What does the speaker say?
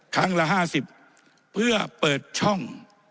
ครั้งละ๕๐เพื่อเปิดช่อง